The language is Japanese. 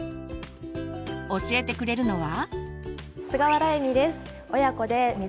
教えてくれるのは。